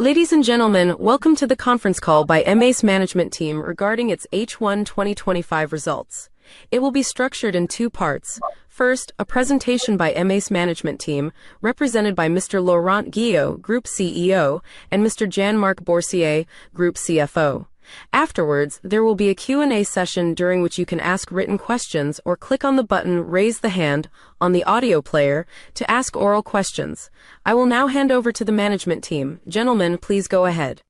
Ladies and gentlemen, welcome to the conference call by Emeis Management Team regarding its H1 2025 results. It will be structured in two parts: first, a presentation by Emeis Management Team, represented by Mr. Laurent Guillot, Group CEO, and Mr. Jean-Marc Bortier, Group CFO. Afterwards, there will be a Q&A session during which you can ask written questions or click on the button 'Raise the Hand' on the audio player to ask oral questions. I will now hand over to the management team. Gentlemen, please go ahead.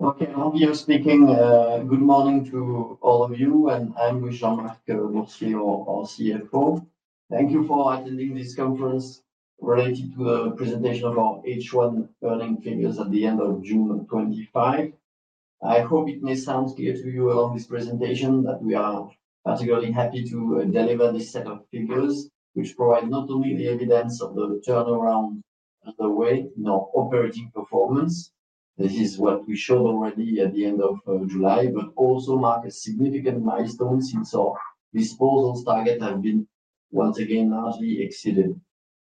Okay, I'm here speaking. Good morning to all of you, and I'm with Jean-Marc Bortier, our CFO. Thank you for attending this conference related to the presentation of our H1 earnings figures at the end of June 2025. I hope it may sound clear to you along this presentation that we are particularly happy to deliver this set of figures, which provide not only the evidence of the turnaround rate in our operating performance, this is what we showed already at the end of July, but also mark a significant milestone since our disposal target has been once again largely exceeded.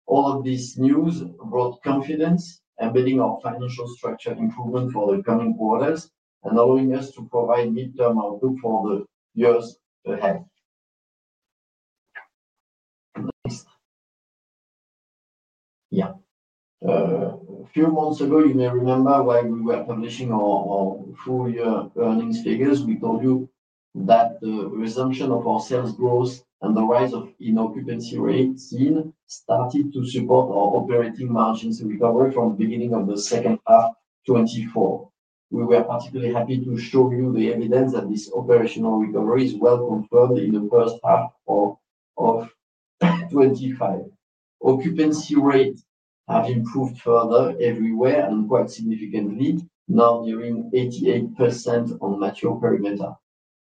All of this news brought confidence, embedding our financial structure improvement for the coming quarters and allowing us to provide mid-term outlook for the years ahead. A few months ago, you may remember why we were publishing our full-year earnings figures. We told you that the resumption of our sales growth and the rise of the inoccupancy rate seen started to support our operating margins recovery from the beginning of the second half of 2024. We were particularly happy to show you the evidence that this operational recovery is well confirmed in the first half of 2025. Occupancy rate has improved further everywhere and quite significantly, now nearing 88% on the mature perimeter.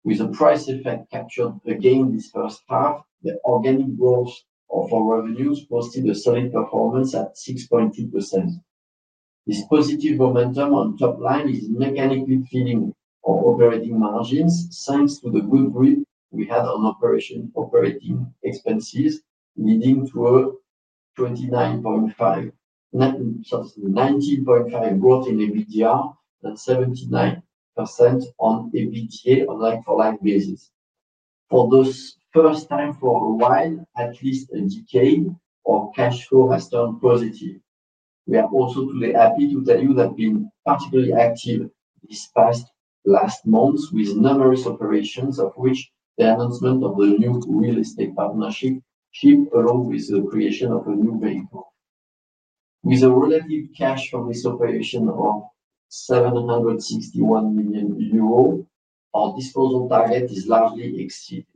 With the price effect captured again in this first half, the organic growth of our revenues posted a selling performance at 6.2%. This positive momentum on the top line is mechanically feeding our operating margins, thanks to the good grip we had on operating expenses, leading to a 29.5% growth in EBITDA, that's 79% on EBITDA on a like-for-like basis. For the first time for a while, at least a decade, our cash flow has turned positive. We are also happy to tell you that we've been particularly active these past months with numerous operations, of which the announcement of the renewed real estate partnership came along with the creation of a new bank account. With a relative cash from this operation around 761 million euro, our disposal target is largely exceeded.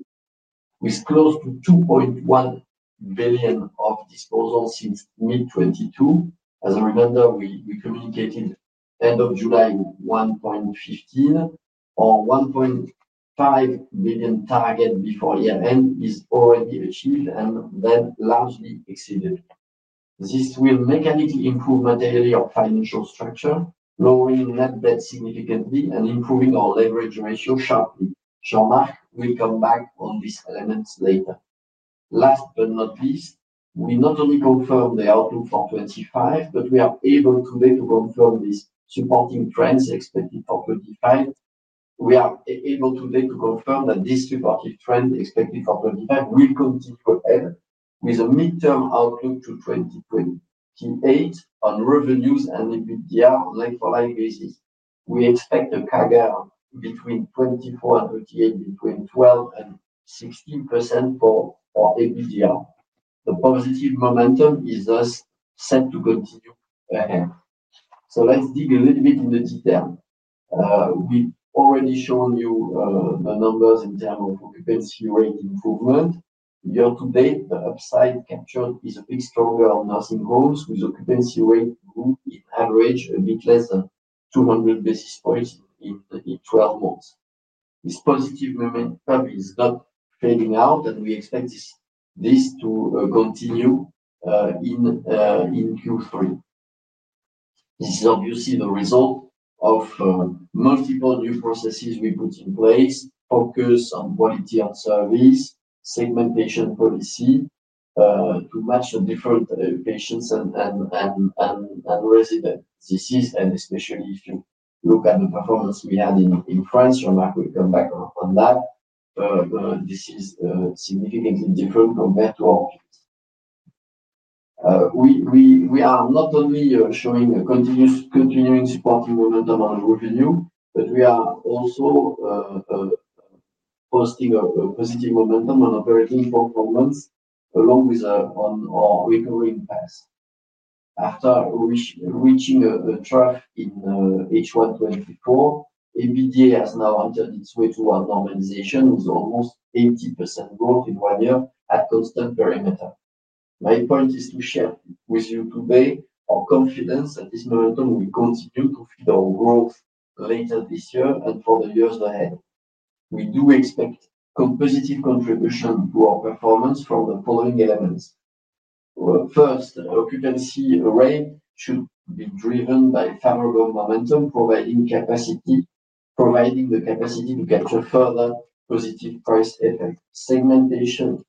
We're close to 2.1 billion of disposal since June 2022. Remember, we communicated end of July 1.15 billion. Our 1.5 billion target before year-end is already achieved and then largely exceeded. This will mechanically improve materially our financial structure, lowering net debt significantly and improving our leverage ratio sharply. Jean-Marc will come back on this element later. Last but not least, we not only confirmed the outlook for 2025, but we are able today to confirm this supportive trend expected for 2025. We are able today to confirm that this supportive trend expected for 2025 will continue to air with a mid-term outlook to 2028 on revenues and EBITDA on a like-for-like basis. We expect a target between 24 and 38, between 12% and 16% for EBITDA. The positive momentum is thus set to continue ahead. Let's dig a little bit in the detail. We've already shown you the numbers in terms of occupancy rate improvement. Year-to-date, the upside captured is a bit stronger on nursing homes, with occupancy rate improved in average a bit less than 200 basis points in 12 months. This positive momentum is not fading out, and we expect this to continue in Q3. This is obviously the result of multiple new processes we put in place, focused on quality of service, segmentation policy to match the different patients and residents. This is, and especially if you look at the performance we had in France, Jean-Marc bortier will come back on that. This is significantly different compared to ours. We are not only showing a continuing supporting momentum on revenue, but we are also posting a positive momentum on operating performance along with our recovering path. After reaching a trough in H1 2024, EBITDA has now entered its way to a normalization with almost 80% growth in one year at constant perimeter. My point is to share with you today our confidence that this momentum will continue to feed our growth later this year and for the years ahead. We do expect a positive contribution to our performance from the following elements. First, occupancy rate should be driven by favorable momentum, providing the capacity to capture further positive price effects. Segmentation,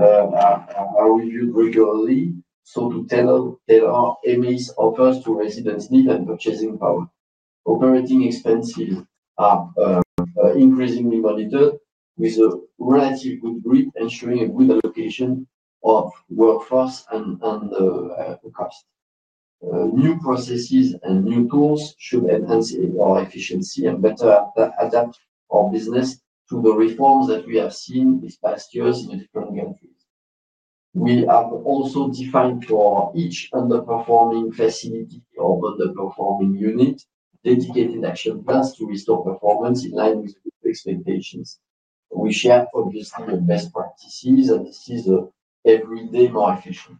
I reviewed regularly. To tell that our Emeis SA offers to residents need and purchasing power. Operating expenses are increasingly monitored with a relative good grip, ensuring a good allocation of workforce and on the cost. New processes and new tools should enhance our efficiency and better adapt our business to the reforms that we have seen these past years with clean gaps. We have also defined for each underperforming facility or underperforming unit dedicated action plans to restore performance in line with expectations. We share, obviously, the best practices, and this is every day more efficient.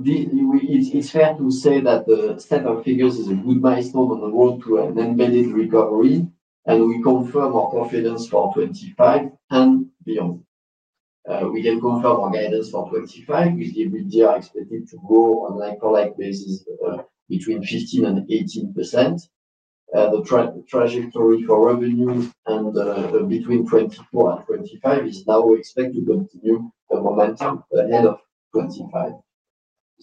It's fair to say that the set of figures is a good milestone on the road to an embedded recovery, and we confirm our confidence for 2025 and beyond. We can confirm our guidance for 2025 with EBITDA expected to grow on a like-for-like basis between 15% and 18%. The trajectory for revenues between 2024 and 2025 is now expected to continue the momentum at the end of 2025.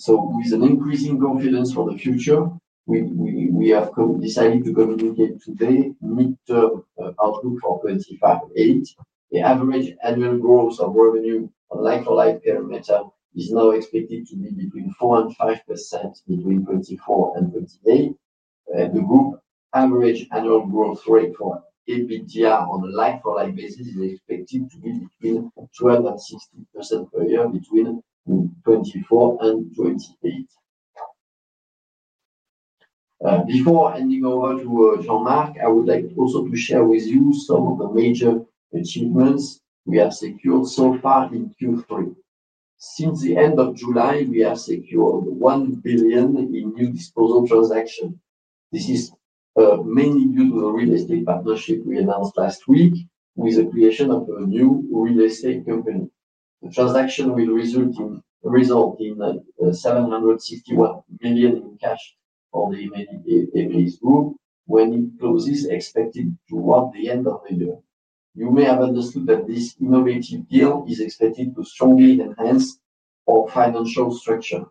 With increasing confidence for the future, we have decided to communicate today mid-term outlook for 2025. The average annual growth of revenue on a like-for-like perimeter is now expected to be between 4% and 5% between 2024 and 2028. The group average annual growth rate for EBITDA on a like-for-like basis is expected to be between 12% and 16% per year between 2024 and 2028. Before any more words Jean-Marc bortier, I would like also to share with you some of the major achievements we have secured so far in Q3. Since the end of July, we have secured 1 billion in new disposal transactions. This is mainly due to the real estate partnership we announced last week with the creation of a new real estate company. The transaction will result in 761 million in cash on the baseboard when it closes, expected to work the end of the year. You may have understood that this innovative deal is expected to strongly enhance our financial structure.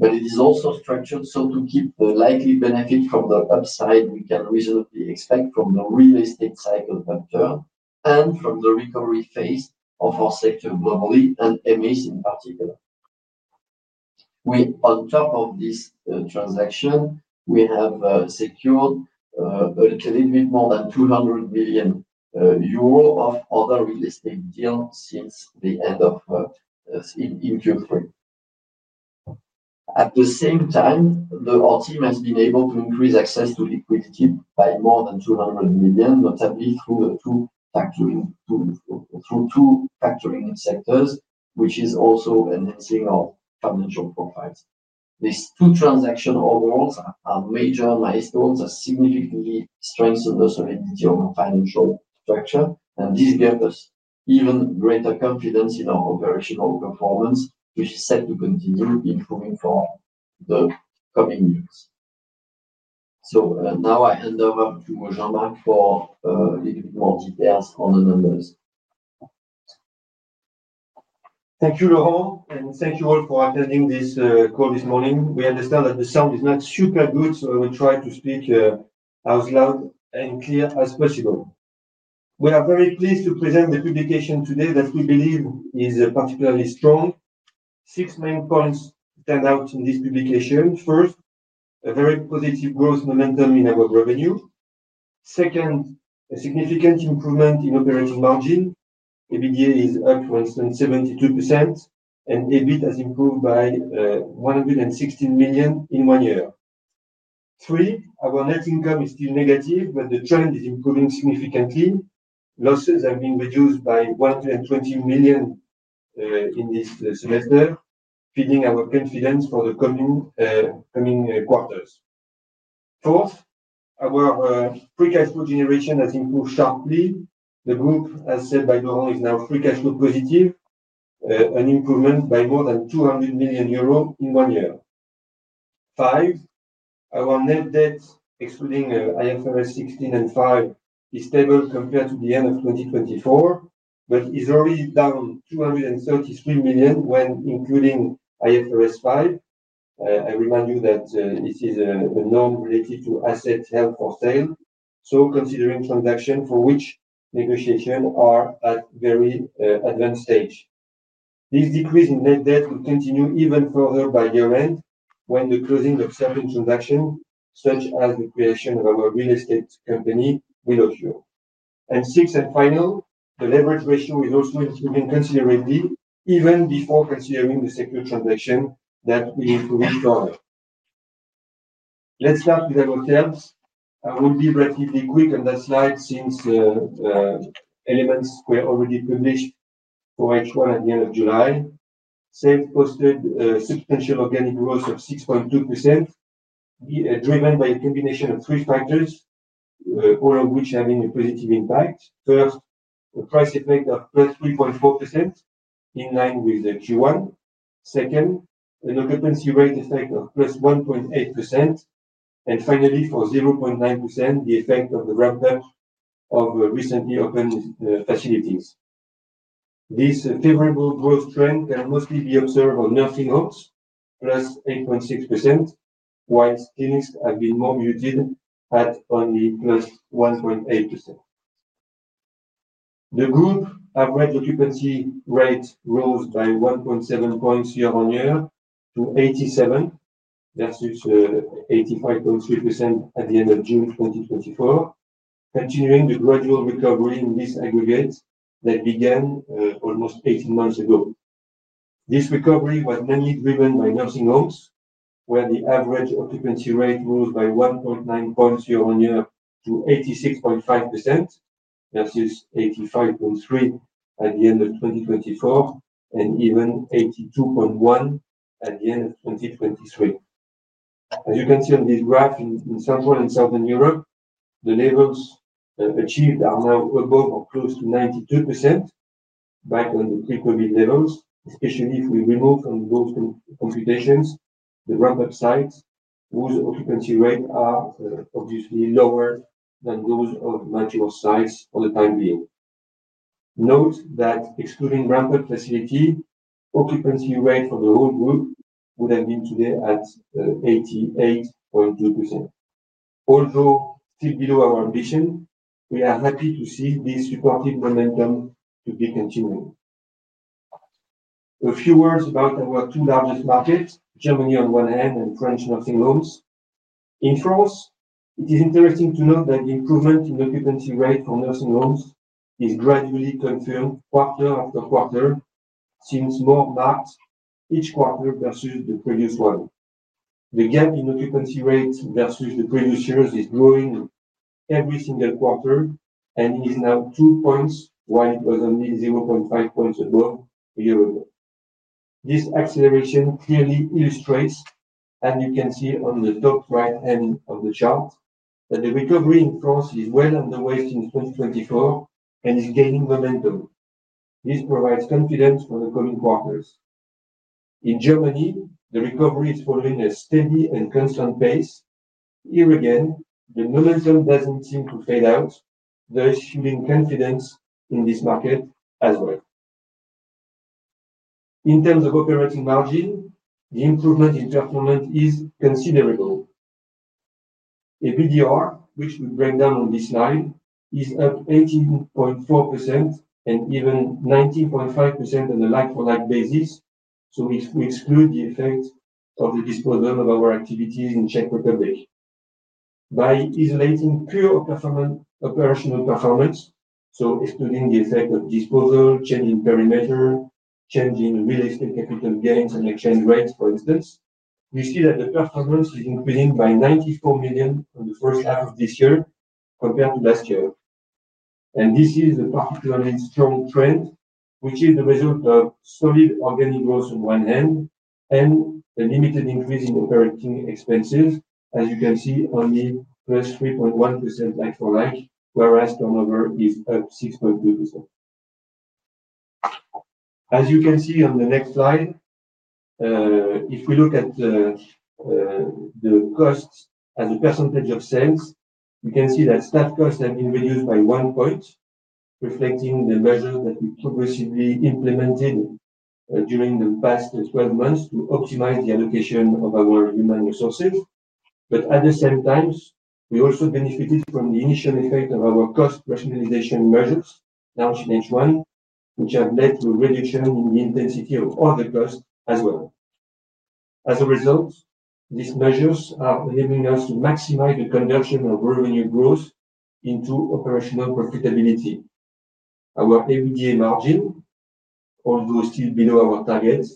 It is also structured to keep the likely benefit from the upside we can reasonably expect from the real estate cycle factor and from the recovery phase of our sector globally and Emeis SA in particular. On top of this transaction, we have secured a little bit more than 200 million euro of other real estate deals since the end of Q3. At the same time, our team has been able to increase access to liquidity by more than 200 million, not only through two factoring sectors, which is also enhancing our financial profile. These two transaction awards are major milestones that significantly strengthen the solidity of our financial structure and give us even greater confidence in our operational performance, which is set to continue improving for the coming years. Now I hand over to Jean-Marc bortier for a little bit more details on the numbers. Thank you, Laurent, and thank you all for attending this call this morning. We understand that the sound is not super good, so I will try to speak as loud and clear as possible. We are very pleased to present the publication today that we believe is particularly strong. Six main points stand out in this publication. First, a very positive growth momentum in our revenue. Second, a significant improvement in operating margin. EBITDA is up to less than 72%, and EBITDA has improved by 116 million in one year. Three, our net income is still negative, but the trend is improving significantly. Losses have been reduced by 120 million in this semester, feeding our confidence for the coming quarters. Fourth, our free cash flow generation has improved sharply. The group, as said by Laurent, is now free cash flow positive, an improvement by more than 200 million euros in one year. Five, our net debt, excluding IFRS 16 and 5, is stable compared to the end of 2024, but is already down 233 million when including IFRS 5. I remind you that this is a norm related to assets held for sale, so considering transactions for which negotiations are at a very advanced stage. This decrease in net debt will continue even further by year-end when the closing of certain transactions, such as the creation of our real estate company, will occur. Sixth and final, the leverage ratio is also improving considerably, even before considering the second transaction that will improve strongly. Let's start with the hotels. I will be relatively quick on that slide since elements were already published for H1 at the end of July. Sales posted a substantial organic growth of 6.2%, driven by a combination of three factors, all of which having a positive impact. First, the price effect of +3.4% in line with the Q1. Second, an occupancy rate effect of +1.8%. Finally, for 0.9%, the effect of the ramp-up of recently opened facilities. This favorable growth trend can mostly be observed on nursing homes, +8.6%, whilst clinics have been more muted at only +1.8%. The group average occupancy rate rose by 1.7 points year on year to 87% versus 85.3% at the end of June 2024, continuing the gradual recovery in this aggregate that began almost 18 months ago. This recovery was mainly driven by nursing homes, where the average occupancy rate rose by 1.9 points year on year to 86.5% versus 85.3% at the end of 2024 and even 82.1% at the end of 2023. As you can see on this graph in some rural and southern Europe, the levels achieved are now above or close to 92% back on pre-COVID levels, especially if we remove from those computations the ramp-up side. Those occupancy rates are obviously lower than those of mature sites for the time being. Note that excluding ramp-up facilities, occupancy rates for the whole group would have been today at 88.2%. Although still below our ambition, we are happy to see this supporting momentum to be continuing. A few words about our two largest markets: Germany on one hand and French nursing homes. In France, it is interesting to note that the improvement in occupancy rates for nursing homes is gradually confirmed quarter after quarter since March marked each quarter versus the previous one. The gap in occupancy rates versus the previous years is growing every single quarter and is now two points when it was only 0.5 points above a year ago. This acceleration clearly illustrates, as you can see on the top right hand of the chart, that the recovery in France is well underway since 2024 and is gaining momentum. This provides confidence for the coming quarters. In Germany, the recovery is following a steady and constant pace. Here again, the momentum doesn't seem to fade out, thus shielding confidence in this market as well. In terms of operating margin, the improvement in performance is considerable. EBITDA, which we break down on this slide, is up 18.4% and even 19.5% on a like-for-like basis, so we exclude the effect of the disposal of our activities in Czech Republic. By isolating pure operational performance, so excluding the effect of disposal, change in perimeter, change in real estate capital gains, and exchange rates, for instance, we see that the performance is increasing by 94 million on the first half of this year compared to last year. This is an off-event strong trend, which is the result of solid organic growth on one hand and a limited increase in operating expenses, as you can see, only +3.1% like-for-like, whereas turnover is up 6.2%. As you can see on the next slide, if we look at the cost as a percentage of sales, you can see that staff costs have been reduced by one point, reflecting the measures that we progressively implemented during the past 12 months to optimize the allocation of our human resources. At the same time, we also benefited from the initial effect of our cost rationalization measures launched in H1, which have led to a reduction in the intensity of all the costs as well. As a result, these measures are enabling us to maximize the production of revenue growth into operational profitability. Our EBITDA margin, although still below our target,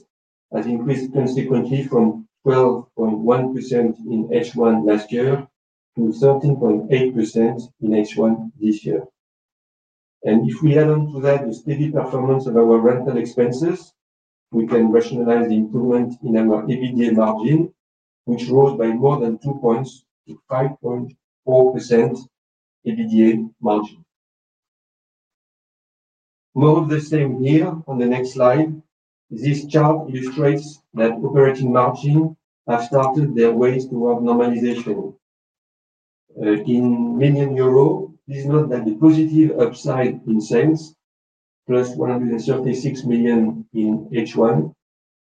has increased consequently from 12.1% in H1 last year to 13.8% in H1 this year. If we add on to that the steady performance of our rental expenses, we can rationalize the improvement in our EBITDA margin, which rose by more than two points to 5.4% EBITDA margin. More of the same here, on the next slide, this chart illustrates that operating margins have started their way toward normalization. In million Euro, please note that the positive upside in sales, +136 million in H1,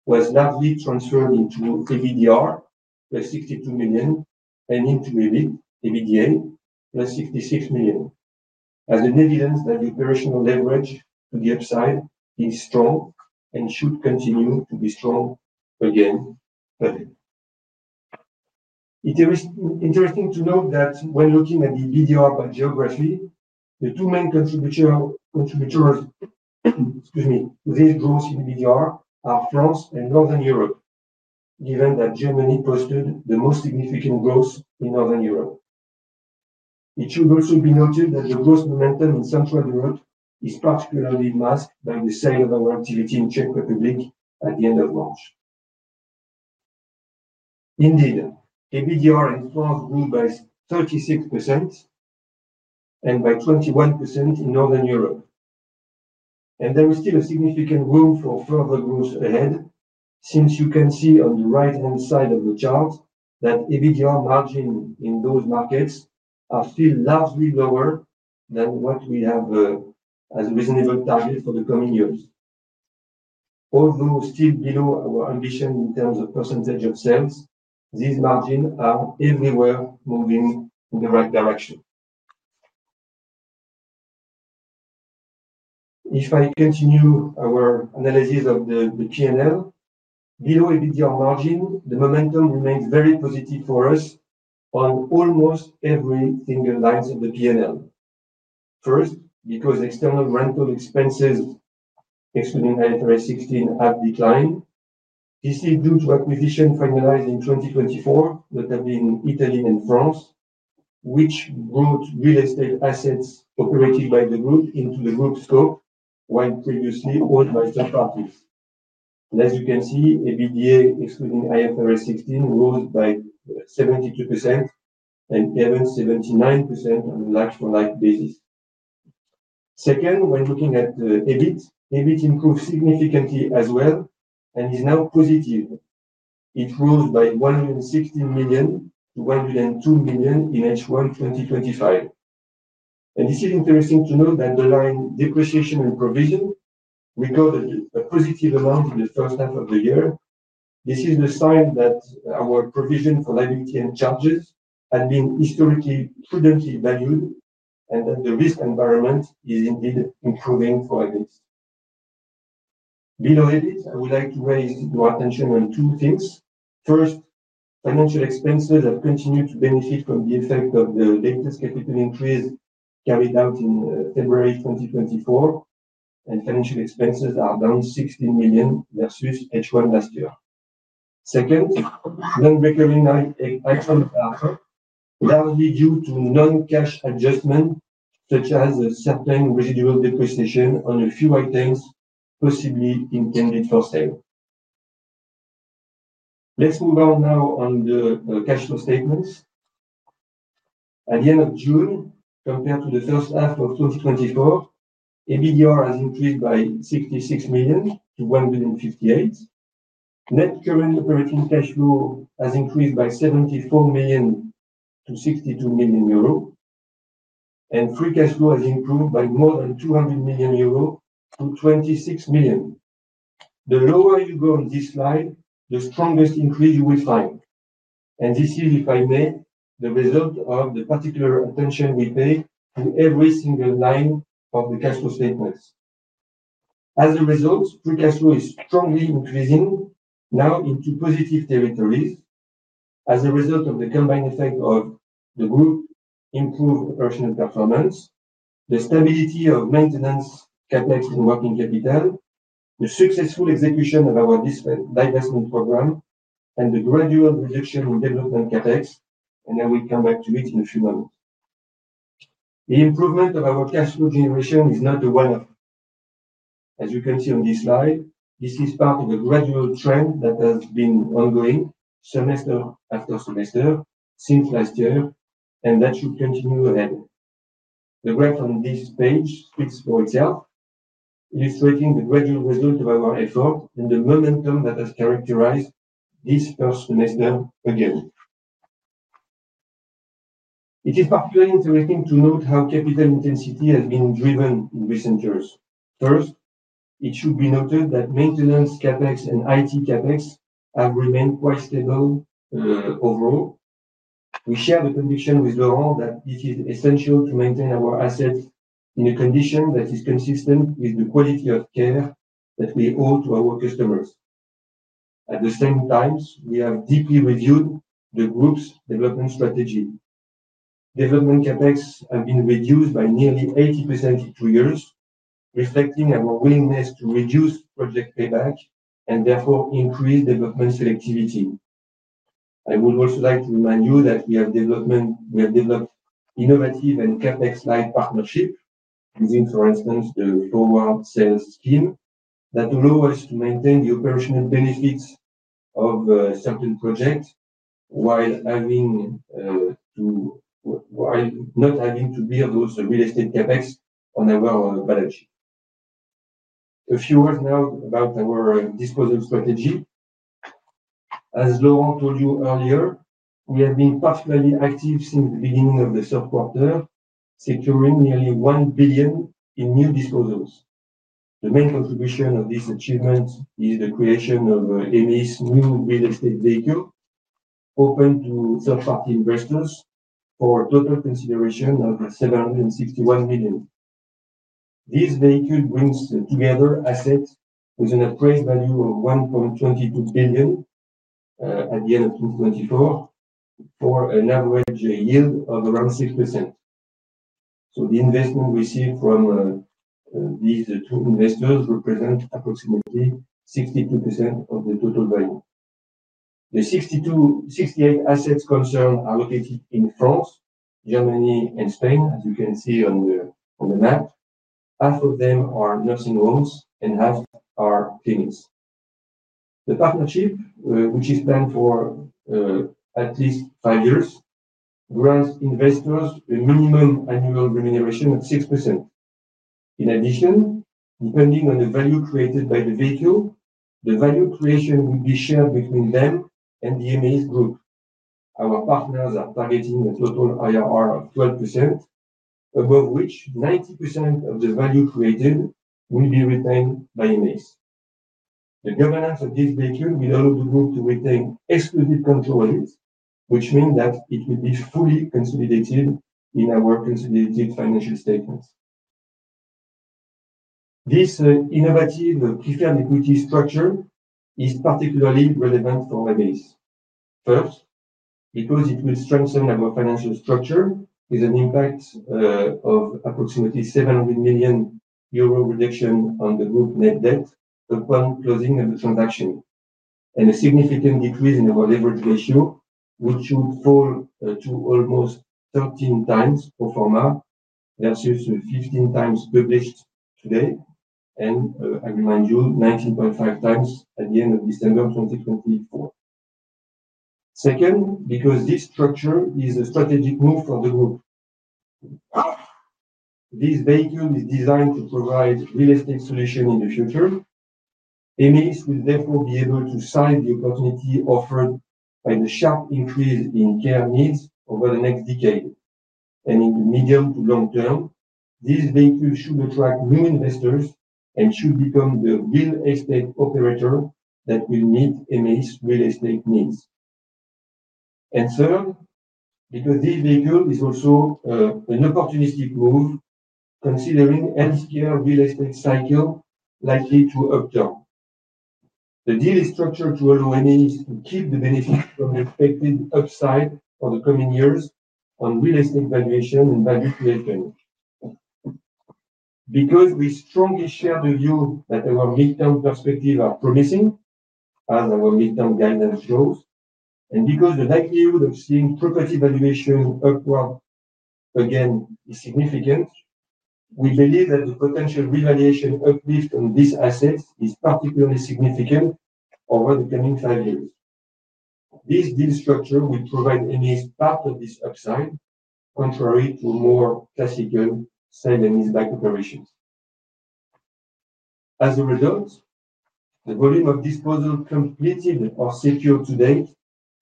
was largely transferred into EBITDA, +62 million, and into EBIT, +56 million. As a negative, the operational leverage to the upside is strong and should continue to be strong again today. It is interesting to note that when looking at EBITDA by geography, the two main contributors to this growth in EBITDA are France and Northern Europe, given that Germany posted the most significant growth in Northern Europe. It should also be noted that the growth momentum in Central Europe is particularly marked by the sale of our activity in Czech Republic at the end of March. Indeed, EBITDA in France grew by 36% and by 21% in Northern Europe. There is still significant room for further growth ahead, since you can see on the right-hand side of the chart that EBITDA margins in those markets are still largely lower than what we have as a reasonable target for the coming years. Although still below our ambition in terms of percentage of sales, these margins are everywhere moving in the right direction. If I continue our analysis of the P&L, below EBITDA margin, the momentum remains very positive for us on almost every single line of the P&L. First, because external rental expenses excluding IFRS 16 have declined. This includes requisition formulas in 2024, not only in Italy and France, which brought real estate assets operated by the group into the group scope when previously owned by third parties. As you can see, EBITDA excluding IFRS 16 rose by 72% and even 79% on a like-for-like basis. Second, when looking at EBIT, EBIT increased significantly as well and is now positive. It rose by 116 million to 102 million in H1 2025. This is interesting to note that the line depreciation and provision will go a positive amount in the first half of the year. This is the sign that our provision for living care charges have been historically prudently valued, and the risk environment is indeed improving for a bit. Below EBIT, I would like to pay more attention on two things. First, financial expenses have continued to benefit from the effect of the bankers' capital increase carried out in February 2024, and financial expenses are down 16 million versus H1 last year. Second, loan recovery items are up largely due to non-cash adjustments, such as a certain residual depreciation on a few items possibly intended for sale. Let's move on now on the cash flow statements. At the end of June, compared to the first half of 2024, EBITDA has increased by 66 million to 158 million. Net current operating cash flow has increased by 74 million- 62 million euro, and free cash flow has improved by more than 200 million euro to 26 million. The lower you go in this slide, the strongest increase you will find. This is, if I may, the result of the particular attention we pay to every single line of the cash flow statements. As a result, free cash flow is strongly increasing now into positive territories as a result of the combined effect of the group improved operational performance, the stability of maintenance capex in working capital, the successful execution of our divestment program, and the gradual reduction in development capex. I will come back to it in a few moments. The improvement of our cash flow generation is not a one-off. As you can see on this slide, this is part of a gradual trend that has been ongoing semester after semester since last year, and that should continue ahead. The graph on this page fits for itself, illustrating the gradual result of our effort and the momentum that has characterized this first semester again. It is particularly interesting to note how capital intensity has been driven in recent years. First, it should be noted that maintenance capex and IT capex have remained quite stable overall. We share the conviction with Laurent that it is essential to maintain our assets in a condition that is consistent with the quality of care that we owe to our customers. At the same time, we have deeply reviewed the group's development strategy. Development capex has been reduced by nearly 80% for years, reflecting our willingness to reduce project payback and therefore increase development selectivity. I would also like to remind you that we have developed innovative and capex-like partnerships, as in, for instance, the Forward Sales scheme, that allow us to maintain the operational benefits of certain projects while not having to deal with the real estate capex on our balance sheet. A few words now about our disposal strategy. As Laurent told you earlier, we have been quite highly active since the beginning of the third quarter, securing nearly 1 billion in new disposals. The main contribution of this achievement is the creation of Emeis' new real estate vehicle open to third-party investors for a total consideration of 761 million. This vehicle brings together assets with an appraised value of 1.22 billion by the end of 2024 for an average yield of around 6%. The investment received from these two investors represents approximately 62% of the total value. The 60 assets concerned are located in France, Germany, and Spain, as you can see on the map. Half of them are nursing homes and half are clinics. The partnership, which is planned for at least five years, grants investors the minimum annual remuneration at 6%. In addition, depending on the value created by the vehicle, the value creation will be shared between them and the Emeis group. Our partners are targeting a total IRR of 12%, above which 90% of the value created will be retained by Emeis. The governance of this vehicle will allow the group to retain exclusive control of it, which means that it will be fully consolidated in our consolidated financial statements. This innovative preferred equity structure is particularly relevant for Emeis. First, because it will strengthen our financial structure with an impact of approximately 700 million euro reduction on the group net debt upon closing of the transaction and a significant decrease in our leverage ratio, which will fall to almost 13 times pro forma versus 15 times previously today. I remind you, 19.5 times at the end of December 2024. Second, because this structure is a strategic move for the group. This vehicle is designed to provide real estate solutions in the future. Emeis will therefore be able to size the opportunity offered as a sharp increase in care needs over the next decade. In the medium to long term, this vehicle should attract new investors and should become the real estate operator that will meet Emeis' real estate needs. Third, because this vehicle is also an opportunistic move considering elsewhere real estate cycles are likely to upturn. The deal is structured to allow Emeis SA to keep the benefits from affecting the upside for the coming years on real estate valuation and value creation. We strongly share the view that our mid-term perspectives are promising, as our mid-term guidance shows, and because the likelihood of seeing property valuation upward again is significant, we believe that the potential revaluation of these assets is particularly significant over the coming five years. This deal structure will provide Emeis SA part of this upside, contrary to more classical Emeis SA bank operations. As a result, the volume of disposal completed or secured to date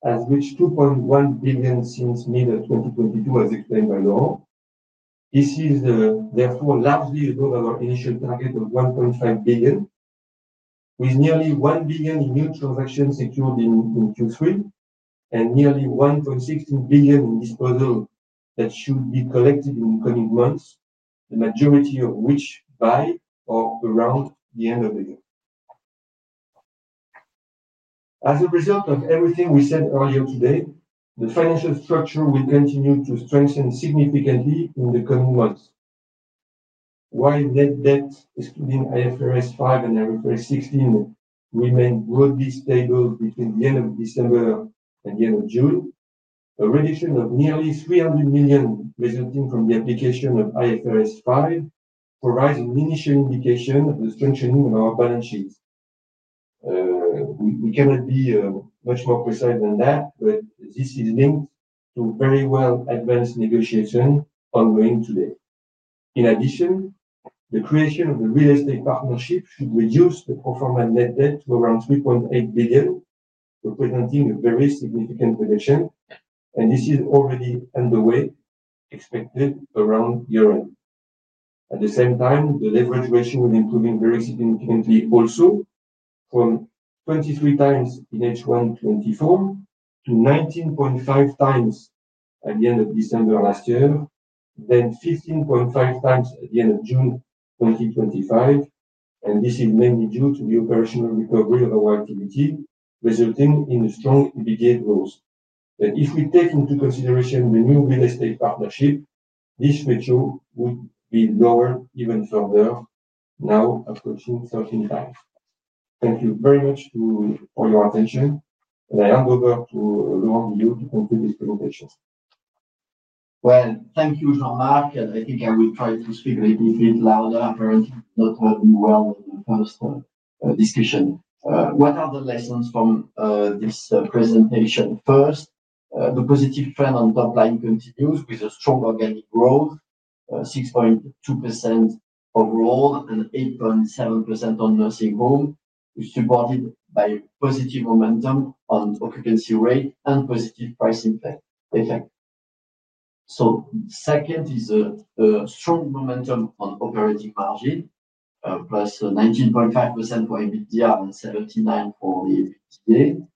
has reached 2.1 billion since mid-2022, as explained by Laurent Guillot. This is therefore largely above our initial target of 1.5 billion, with nearly 1 billion in new transactions secured in Q3 and nearly 1.62 billion in disposal that should be collected in the coming months, the majority of which by or around the end of the year. As a result of everything we said earlier today, the financial structure will continue to strengthen significantly in the coming months. While net debt excluding IFRS 5 and IFRS 16 remains broadly stable between the end of December and the end of June, a reduction of nearly 300 million resulting from the application of IFRS 5 provides an initial indication of the strengthening of our balance sheet. We cannot be much more precise than that, but this is linked to very well advanced negotiations ongoing today. In addition, the creation of the real estate partnerships will reduce the pro forma net debt to around 3.8 billion, representing a very significant reduction. This is already underway, expected around year-end. At the same time, the leverage ratio is improving very significantly also, from 23 times in H1 2024 to 19.5 times at the end of December last year, then 15.5 times at the end of June 2025. This is mainly due to the operational recovery of our activity, resulting in a strong EBITDA growth. If we take into consideration the new real estate partnership, this ratio would be lowered even further, now approaching 13.5. Thank you very much for your attention, and I hand over to Laurent Guillot to complete his presentation. Thank you, Jean-Marc. I think I will try to speak a little bit louder apparently. I'm not quite doing well on the phone. Discussion. What are the lessons from this presentation? First, the positive trend on the top line continues with a strong organic growth, 6.2% overall and 8.7% on nursing homes, which is supported by positive momentum on occupancy rate and positive pricing effect. Second is a strong momentum on operating margin, +19.5% for EBITDA and 79% for the EBITDA,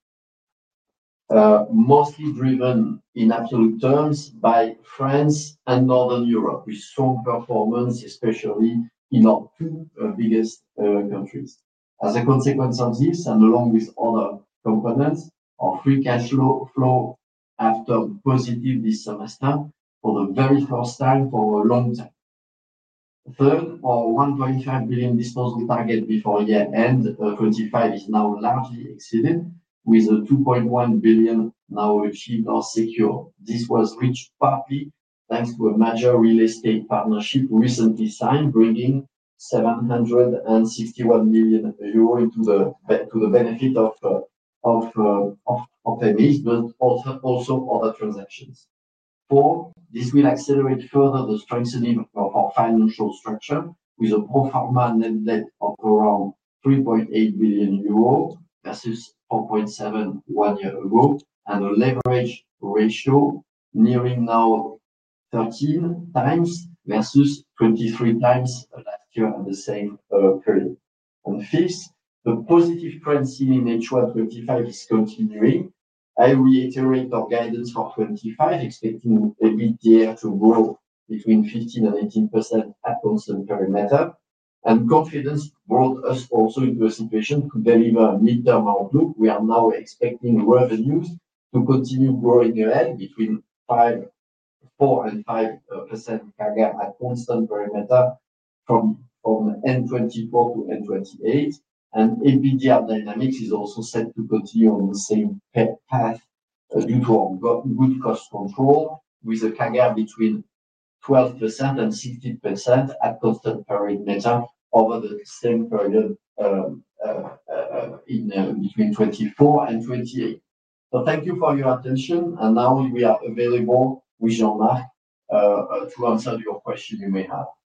mostly driven in absolute terms by France and Northern Europe, with strong performance, especially in our two biggest countries. As a consequence of this, and along with other components, our free cash flow after positive this semester for the very first time for a long time. Third, our 1.5 billion disposal target before year-end 2025 is now largely exceeded, with 2.1 billion now achieved or secured. This was reached partly thanks to a major real estate partnership recently signed, bringing 761 million euro into the benefit of Emeis SA, but also other transactions. Fourth, this will accelerate further the strengthening of our financial structure with an all-for-man net debt of around 3.8 billion euros versus 4.7 billion one year ago and a leverage ratio nearing now 13 times versus 23 times during the same period. Fifth, the positive currency in H1 2025 is continuing. I reiterate our guidance for 2025, expecting the EBITDA to grow between 15% and 18% at constant perimeter. Confidence brought us also into a situation to deliver a mid-term outlook. We are now expecting revenues to continue growing again between 4% and 5% per year at constant perimeter from 2024 to 2028. EBITDA dynamics is also set to continue on the same path for income and good cost control with a CAGR between 12% and 16% at constant perimeter over the same period between 2024 and 2028. Thank you for your attention. Now we are available with Jean-Marc to answer your questions you may have. Questions?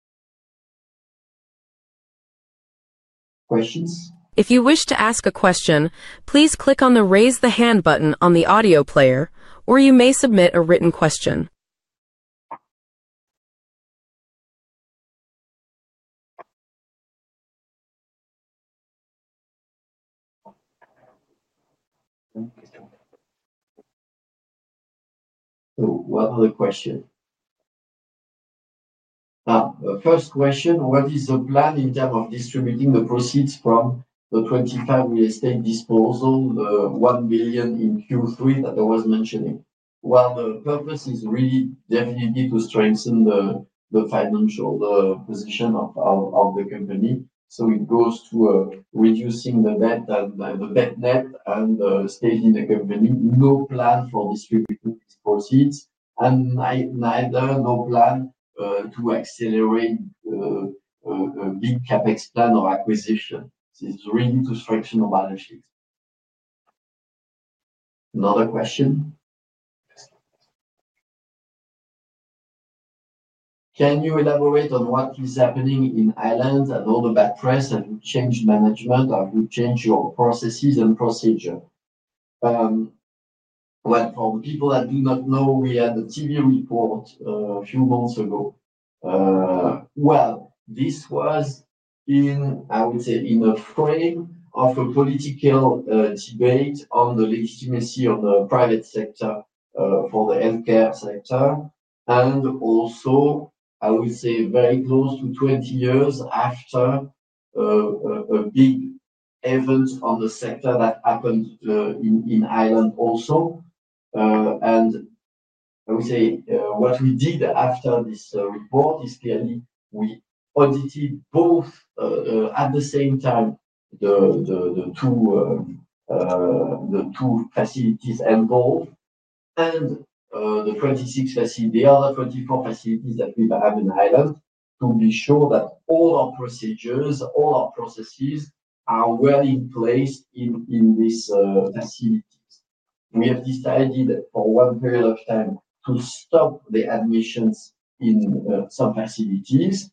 If you wish to ask a question, please click on the Raise the Hand button on the audio player, or you may submit a written question. One other question. First question, what is the plan in terms of distributing the proceeds from the 25 real estate disposal, the 1 billion in Q3 that I was mentioning? The purpose is really definitely to strengthen the financial position of the company. It goes to reducing the debt and staying in the company. No plan for distributing proceeds. Neither any plan to accelerate a new capex plan or acquisition. It's really to stretch the balance sheet. Another question? Can you elaborate on what is happening in Ireland and all the backlash? Have you changed management? Have you changed your processes and procedures? For people that do not know, we had a TV report a few months ago. This was, I would say, in the frame of a political debate on the legitimacy of the private sector for the healthcare sector. Also, I would say, very close to 20 years after a big event on the sector that happened in Ireland also. What we did after this report is clearly we audited both at the same time the two facilities involved and the 26 facilities, the other 24 facilities that we have in Ireland to be sure that all our procedures, all our processes are well in place in these facilities. We have decided for one period of time to stop the admissions in some facilities.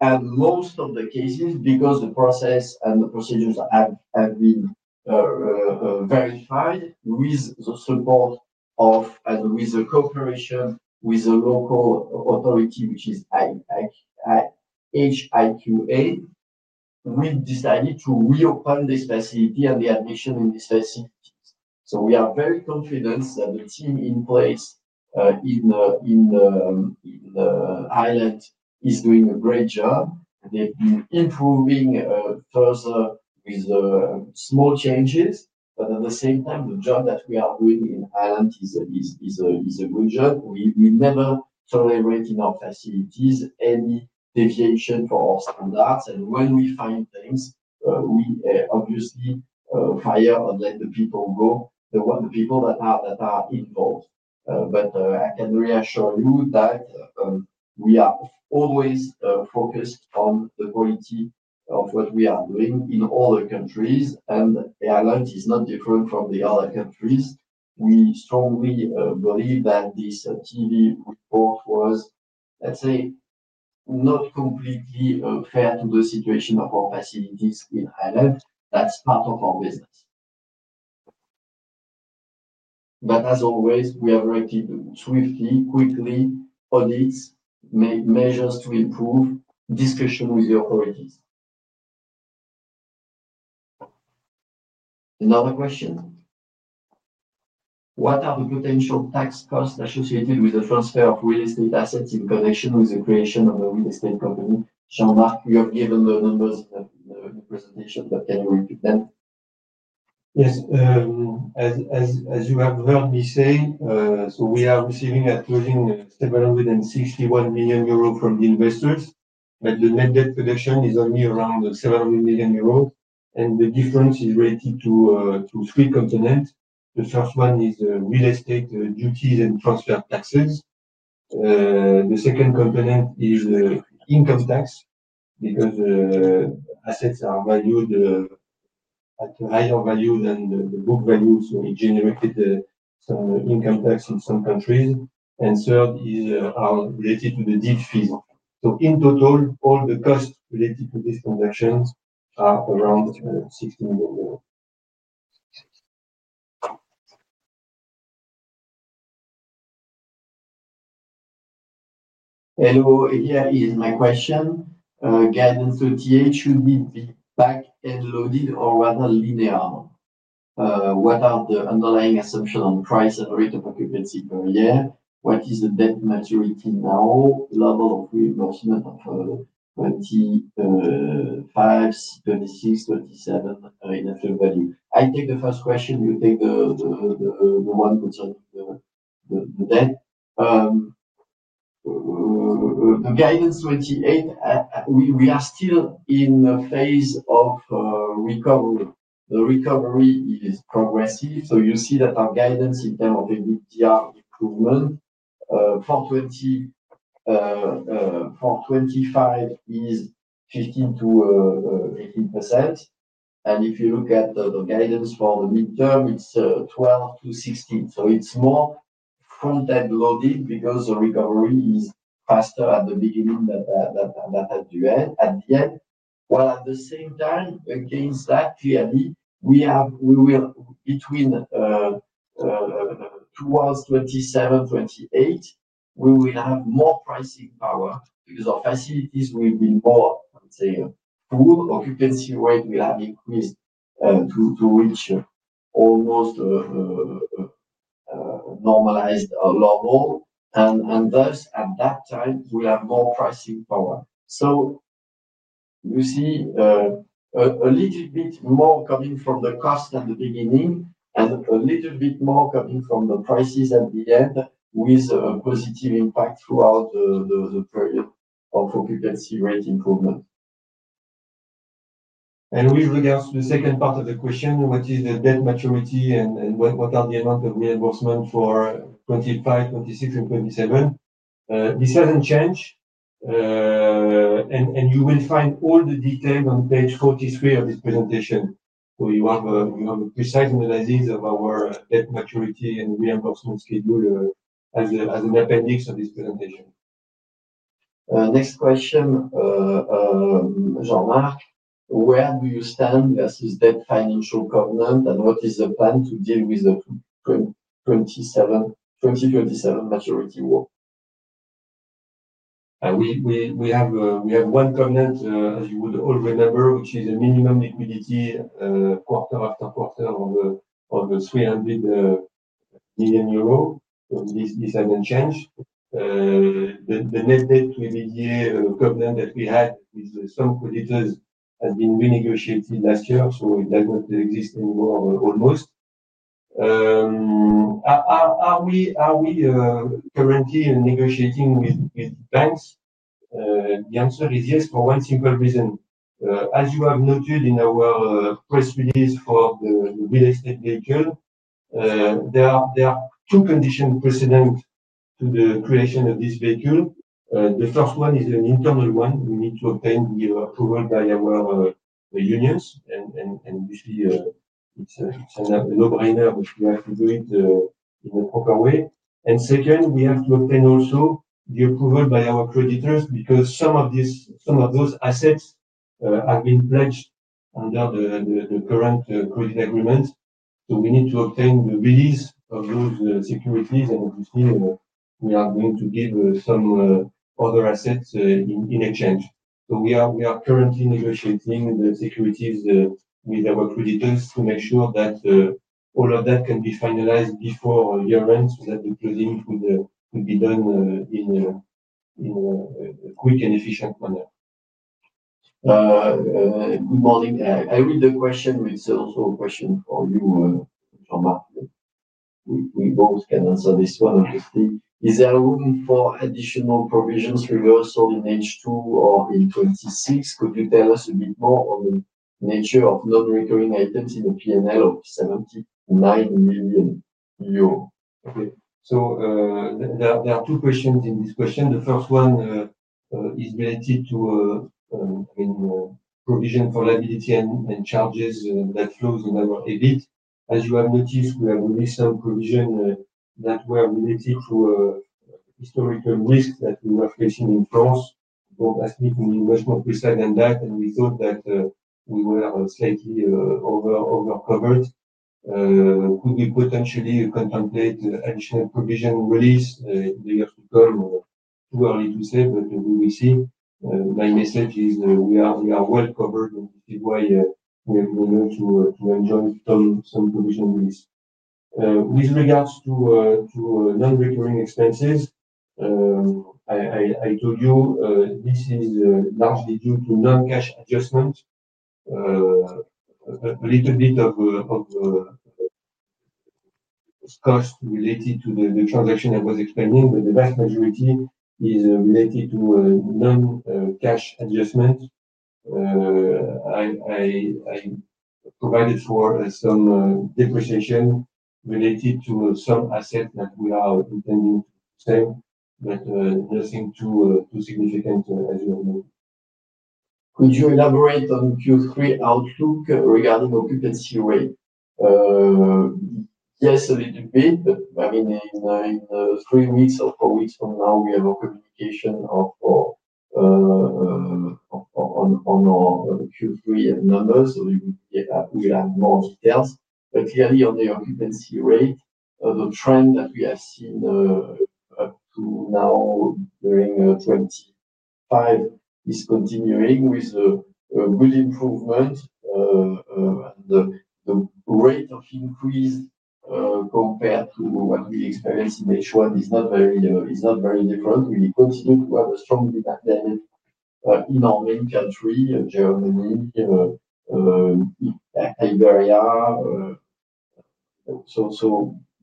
In most of the cases, because the process and the procedures have been verified with the support of and with the cooperation with the local authority, which is HIQA, we've decided to reopen this facility and the admission in this facility. We are very confident that the team in place in Ireland is doing a great job. They've been improving further with small changes. At the same time, the job that we are doing in Ireland is a great job. We will never tolerate in our facilities any deviation from our standards. When we find things, we obviously fire and let the people go, the people that are involved. I can reassure you that we are always focused on the quality of what we are doing in all the countries. Ireland is not different from the other countries. We strongly believe that this TV report was, let's say, not completely fair to the situation of our facilities in Ireland. That's part of our reason. As always, we are reacting strictly, quickly, audits, measures to improve, discussion with the authorities. Another question? What are the potential tax costs associated with the transfer of real estate assets in connection with the creation of the real estate company? Jean-Marc, you have given the numbers in the presentation, but can you repeat them? Yes. As you have heard me say, we are receiving at closing 761 million euros from the investors, but the net debt production is only around 700 million euros. The difference is related to three components. The first one is the real estate duties and transfer taxes. The second component is the income tax because the assets are valued at a higher value than the book values; we generated from income tax in some countries. Third is related to the deep fees. In total, all the costs related to this production are around EUR 16 million. Hello, here is my question. Gas in 38 should be packed and loaded or rather linear amount. What are the underlying assumptions on price and rate of occupancy per year? What is the debt maturity now, the level of reimbursement of 25, 36, 37 in the value? I take the first question. You take the one that would be better. The guidance 28, we are still in a phase of recovery. The recovery is progressive. You see that our guidance in terms of EBITDA improvement for 25 is 15%-18%. If you look at the guidance for the midterm, it's 12%-16%. It's more front-end loaded because the recovery is faster at the beginning than at the end. At the end, while at the same time, against that, clearly, we have, we will between towards 27, 28, we will have more pricing power because our facilities will be more, I'd say, poor. Occupancy rate will have increased to reach almost normalized or normal. Thus, at that time, we have more pricing power. You see a little bit more coming from the cost at the beginning and a little bit more coming from the prices at the end with a positive impact throughout the occupancy rate improvement. With regards to the second part of the question, what is the debt maturity and what are the amounts of reimbursement for 25, 26, and 27? This hasn't changed. You will find all the details on page 43 of this presentation. You have a precise analysis of our debt maturity, and we have, of course, scheduled as an appendix of this presentation. Next question, Jean-Marc, where do you stand as his debt financial covenant and what is the plan to deal with the 2027 maturity work? We have one covenant, as you would all remember, which is a minimum liquidity quarter after quarter of EUR 300 million. This hasn't changed. The net debt remedial covenant that we had with some creditors, as in renegotiated last year, so that was the existing rule almost. Are we currently negotiating with banks? The answer is yes for one simple reason. As you have noted in our press release for the real estate vehicle, there are two conditions precedent to the creation of this vehicle. The first one is an internal one. We need to obtain the approval by our unions. Obviously, it's a no-brainer if we have to do it in the proper way. Second, we have to obtain also the approval by our creditors because some of those assets have been pledged under the current credit agreement. We need to obtain the release of those securities and obviously, we are going to give some other assets in exchange. We are currently negotiating the securities with our creditors to make sure that all of that can be finalized before year-end so that the closing could be done in a quick and efficient manner. I read the question. It's also a question for you, Jean-Marc. We both can answer this one, obviously. Is there a room for additional provisions reversal in H2 or in 2026? Could you tell us a bit more on the nature of non-recurring items in the P&L of 79 million euros? Okay. There are two questions in this question. The first one is related to a provision for liability and charges that flows in our EBIT. As you have noticed, we have released some provisions that were related to historical risks that we were facing in France. I think we need much more precise than that. We thought that we were slightly overcovered. Could we potentially contemplate additional provision release in the year to come? Who are you to say what we will receive? My message is we are well covered if we are going to enjoy some provision release. With regards to non-recurring expenses, I told you this is largely due to non-cash adjustment. A little bit of cost related to the transaction I was explaining, but the vast majority is related to non-cash adjustment. I provided for some depreciation related to some assets that we are intending to sell that are seen too significant as you all know. Could you elaborate on Q3 outlook regarding occupancy rate? Yes, a little bit. I mean, in my three weeks or four weeks from now, we have a quick revision on our Q3 numbers. We have more details. Clearly, on the occupancy rate, the trend that we have seen to now during 2025 is continuing with a good improvement. The rate of increase compared to what we experienced in H1 is not very different. We continue to have strong debt management in our main country, Germany, Liberia.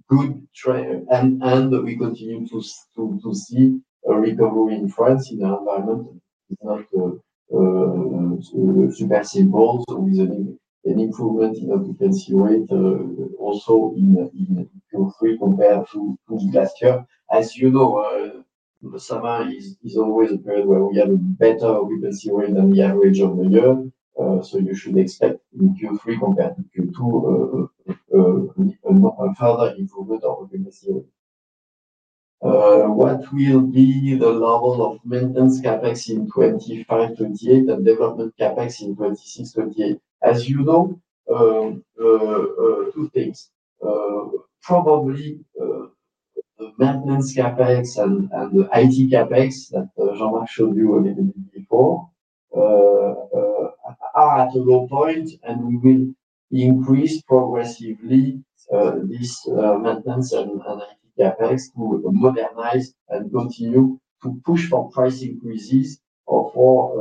Good. We continue to see a recovery in France in the environment. It's not super simple. We see an improvement in the occupancy rate also in Q3 compared to last year. As you know, the summer is always a period where we have a better occupancy rate than the average of the year. You should expect in Q3 compared to Q2 a further improvement in occupancy rate. What will be the level of maintenance capex in 2025, 2028, and development capex in 2026, 2028? As you know, two things. Probably maintenance capex and the IT capex that Jean-Marc Boursier showed you a little bit before are at a low point, and we will increase progressively this maintenance and IT capex to modernize and continue to push for price increases or for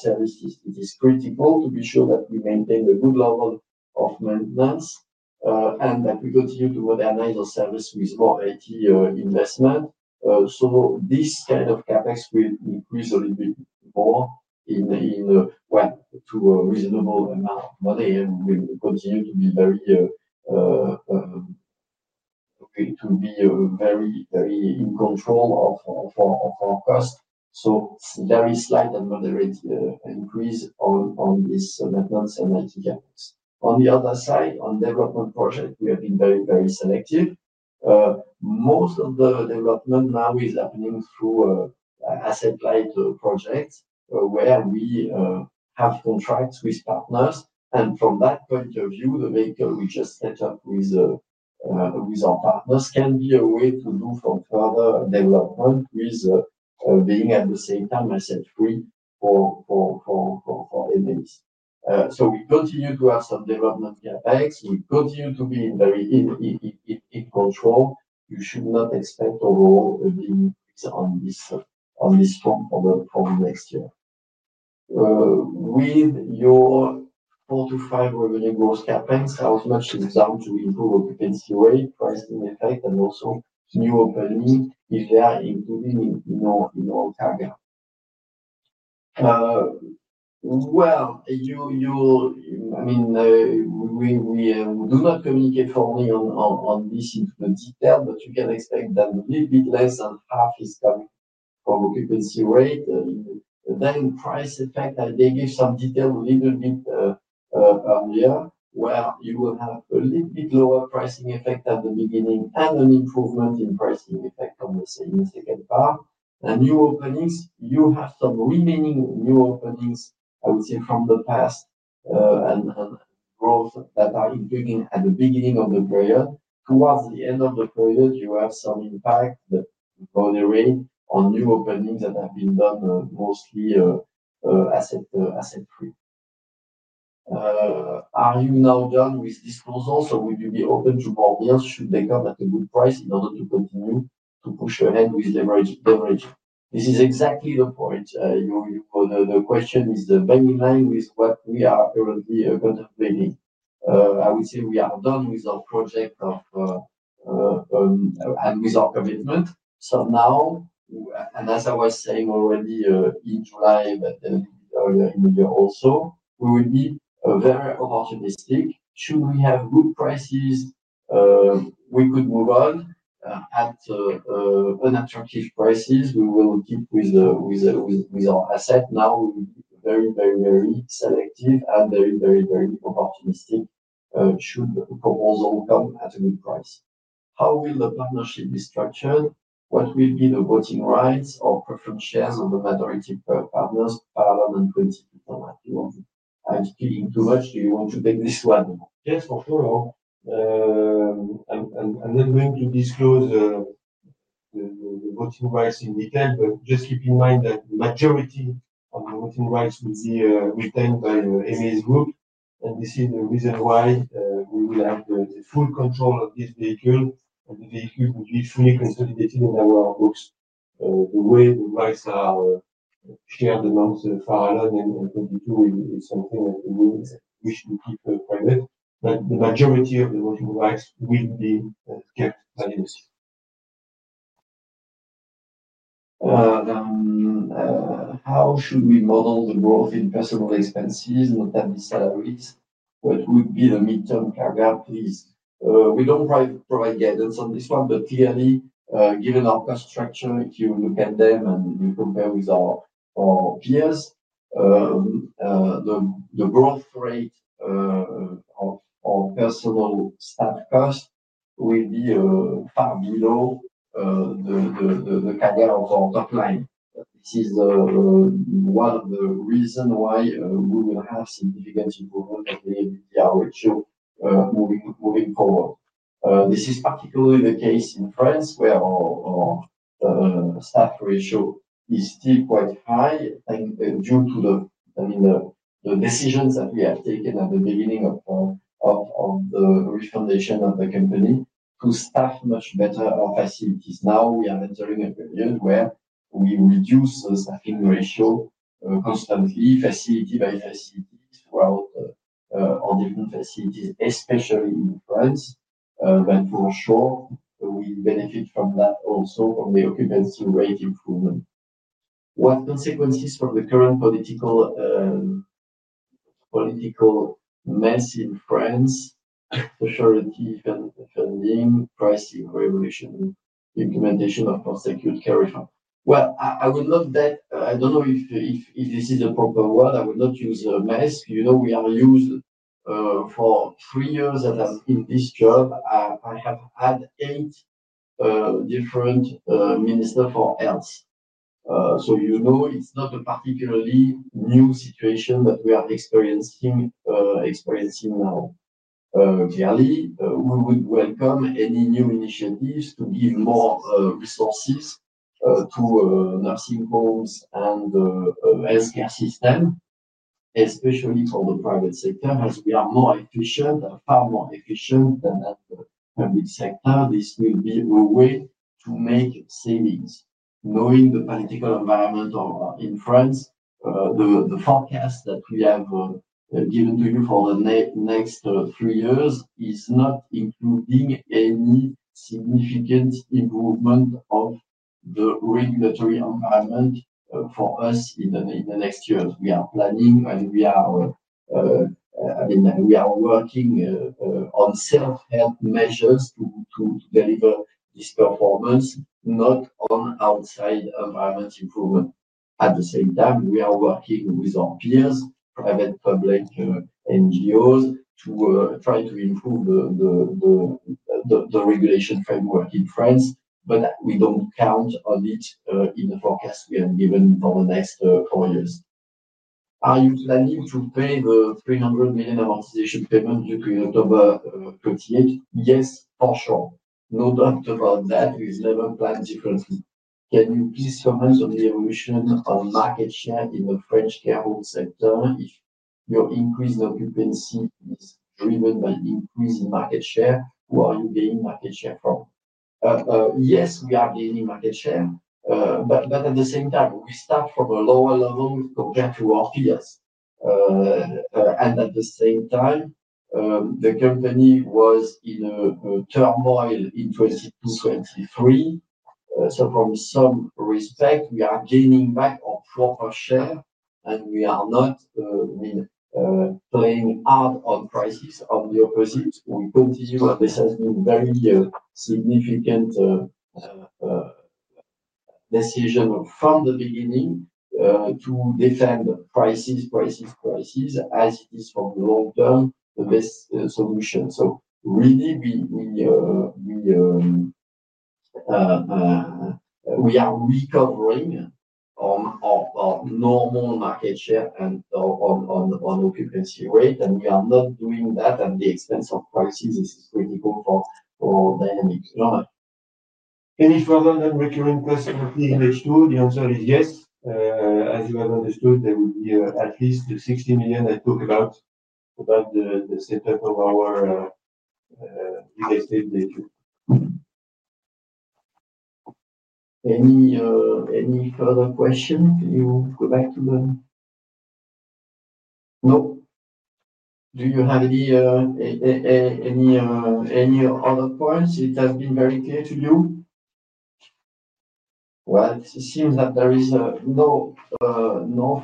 services. It is critical to be sure that we maintain a good level of maintenance and that we continue to modernize our service with more IT investment. This kind of capex will increase a little bit more, to a reasonable money, and we will continue to be very forecast. Very slight and moderate increase on this maintenance and IT capex. On the other side, on development projects, we have been very, very selective. Most of the development now is happening through asset-light projects where we have contracts with partners. From that point of view, the vehicle we just set up with our partners can be a way to move to further development with being at the same time a subscription for Emeis SA. We continue to have some development capex. We continue to be very in control. You should not expect a lower increase on this from next year. With your 4%-5% revenue growth capex, how much you have done to improve occupancy rate, pricing effect, and also new opening if they are improving in our cargo. I mean, we do not communicate formally on this into the detail, but you can expect that a little bit less than half is done for occupancy rate. Then price effect, I gave you some details a little bit earlier where you will have a little bit lower pricing effect at the beginning and an improvement in pricing effect on the same second part. New openings, you have some remaining new openings, I would say, from the past and growth that are impending at the beginning of the period. Towards the end of the period, you have some impact that is tolerated on new openings that have been done mostly asset free. Are you now done with disposal? Would you be open to more deals should they come at a good price in order to continue to push ahead with the average of the merger? This is exactly the point. The question is the bottom line with what we are currently contemplating. I would say we are done with our project of and with our commitment. Now, as I was saying already in July and earlier in the year also, we would be very opportunistic. Should we have good prices, we could move on at unobstructive prices. We will keep with our assets. Now, we are very, very selective and very, very, very opportunistic should proposal come at a good price. How will the partnership be structured? What will be the voting rights or preferred shares of the majority of partners, parliament, and principals? I'm speaking too much. Do you want to take this one? Yes, for sure. I'm going to disclose the voting rights in the weekend, but just keep in mind that the majority of the voting rights will be retained by Emeis SA. Obviously, the reason why we will have the full control of this vehicle, the vehicle will be fully consolidated in our books. The way the rights are shared amongst the parliament and the constituents is something we wish to keep public. The majority of the voting rights will be privacy. How should we model the growth in customer expenses and salaries? What would be the mid-term CAGR, please? We don't provide guidance on this one, but clearly, given our cost structure, if you look at them and you compare with our peers, the growth rate of our personal staff costs will be far below the CAGR of our top line. This is one of the reasons why we will have significant improvement in the ROI moving forward. This is particularly the case in France, where our staff ratio is still quite high and due to the decisions that we have taken at the beginning of the refundation of the company to staff much better our facilities. Now, we are entering a period where we reduce the staffing ratio constantly, facility by facility throughout all the facilities, especially in France. For sure, we benefit from that also on the occupancy rate improvement. What consequences from the current political mess in France? Security funding, pricing revolution, implementation of our security carry fund. I would not bet, I don't know if this is the proper word. I would not use a mess. You know, we are used for three years that I've been in this job. I have had eight different Ministers for Health. You know it's not a particularly new situation that we are experiencing now. Clearly, we would welcome any new initiatives to give more resources to nursing homes and the health care system, especially for the private sector, as we are more efficient, far more efficient than the public sector. This will be a way to make savings. Knowing the political environment in France, the forecast that we have given to you for the next three years is not including any significant improvement of the regulatory environment for us in the next years. We are planning, and we are, I mean, we are working on self-help measures to deliver this performance, not on outside environment improvement. At the same time, we are working with our peers, private-public NGOs, to try to improve the regulation framework in France. We don't count on it in the forecast we have given for the next four years. Are you planning to pay the $300 million position payment due to October 28? Yes, for sure. No doubt about that. We've never planned differently. Can you please comment on the evolution of market share in the French care home sector? If your increased occupancy is driven by increasing market share, who are you gaining market share from? Yes, we are gaining market share. At the same time, we start from a lower level compared to our peers. At the same time, the company was in a turmoil in 2023. From some respect, we are gaining back our forefront share, and we are not playing hard on prices of the opposite. We continue with the sales being a very significant decision from the beginning to defend prices, prices, prices, as it is for the long-term best solution. We are recovering on our normal market share and on occupancy rate, and we are not doing that at the expense of prices. This is critical for dynamics. Any further non-recurring costs in H2? The answer is yes. As you have understood, there will be at least the $60 million I talked about, about the setup of our invested data. Any further questions? Can you go back to the? No. Do you have any other points? It has been very clear to you? It seems that there is no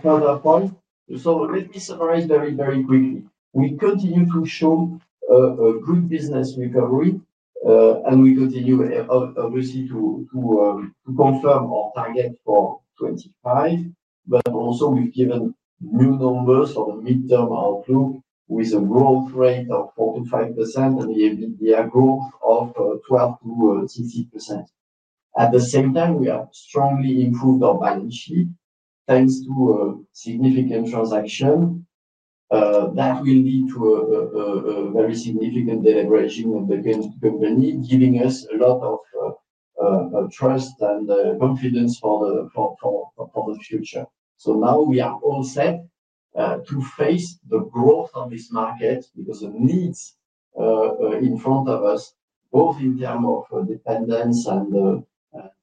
further point. Let me summarize very, very quickly. We continue to show a good business recovery, and we continue, obviously, to confirm our target for 2025. We've also given new numbers on mid-term outlook with a growth rate of 45% and a goal of 12%-16%. At the same time, we have strongly improved our balance sheet thanks to a significant transaction that will lead to a very significant deleveraging of the company, giving us a lot of trust and confidence for the future. Now we are all set to face the growth in this market because the needs in front of us, both in terms of dependents and the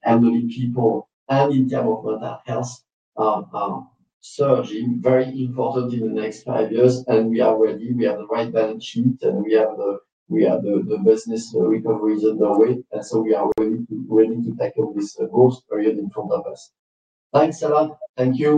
handling of people and in terms of health, are surging very importantly in the next five years. We are ready. We have a great balance sheet, and we have the business recovery agenda ready. We are ready to take on this growth period in front of us. Thanks a lot. Thank you.